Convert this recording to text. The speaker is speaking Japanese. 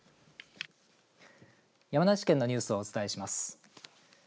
山梨県のニュースをお伝えします。